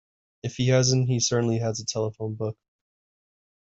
If he hasn't he certainly has a telephone book.